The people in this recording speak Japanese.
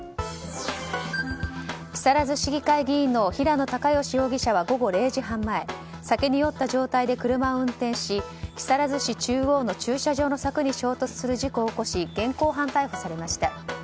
木更津市議会議員の平野卓義容疑者は午後０時半前酒に酔った状態で車を運転し木更津市中央の駐車場の柵に衝突する事故を起こし現行犯逮捕されました。